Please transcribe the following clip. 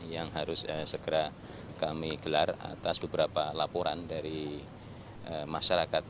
yang harus segera kami gelar atas beberapa laporan dari masyarakat